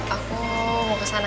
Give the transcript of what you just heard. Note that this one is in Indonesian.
aku mau kesana